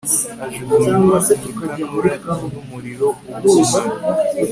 ajugunywa mu itanura ry umuriro ugurumana